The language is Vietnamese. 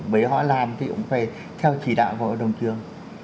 bới họ làm thì cũng phải theo chỉ đạo của hội đồng trường